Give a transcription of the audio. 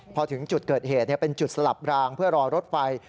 พอถึงจุดเกิดเหตุเป็นจุดสลับรางเพื่อรอรถไฟ